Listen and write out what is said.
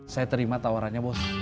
saya terima tawarannya bos